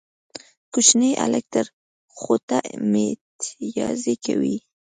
کوچنی هلک تر خوټه ميتيازې کوي